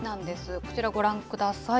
こちらをご覧ください。